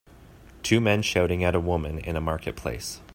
Two men shouting at a woman in a marketplace.